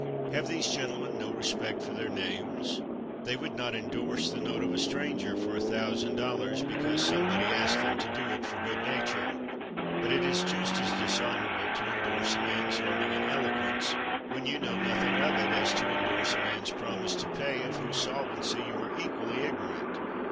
Have these gentlemen no respect for their names? They would not indorse the note of a stranger for a thousand dollars because somebody asked them to do it for good nature. But it is just as dishonorable to indorse a man's learning and eloquence when you know nothing of it as to indorse a man's promise to pay of whose solvency you are equally ignorant.